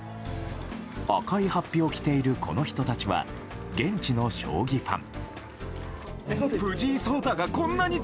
赤い法被を着ているこの人たちは現地の将棋ファン。